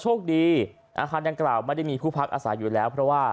อาคารดังกล่าวไม่ได้มีผู้พักอาศัยอยู่แล้วเพราะว่า